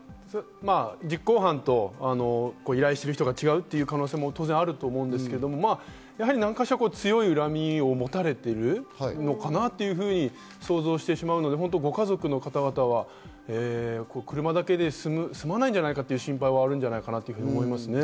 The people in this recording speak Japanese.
実行犯と依頼している人が違う可能性もあると思うんですけれども、強い恨みを持たれているのかなというふうに想像してしまうのでご家族の方々は車だけで済まないんじゃないかという心配はあるんじゃないかなと思いますね。